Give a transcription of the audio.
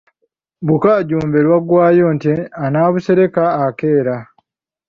Bukaajumbe luggwaayo nti anaabusereka akeera.